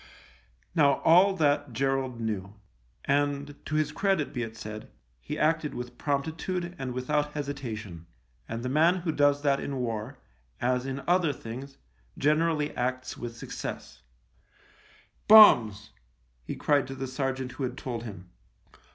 Now all that Gerald knew, and, to his credit be it said, he acted with promptitude and without hesitation, and the man who does that in war, as in other things, generally acts with success. 44 THE LIEUTENANT " Bombs !" he cried to the sergeant who had told him.